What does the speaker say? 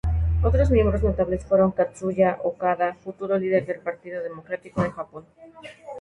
Otros miembros notables fueron Katsuya Okada, futuro líder del Partido Democrático de Japón.